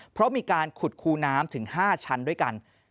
เพราะมีการขุดคูน้ำถึง๕ชั้นด้วยกัน